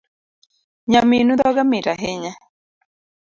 Nyaminu dhoge mit ahinya